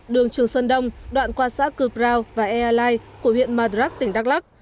đường trường sơn đông đoạn qua xã cực rào và ea lai của huyện madrak tỉnh đắk lắc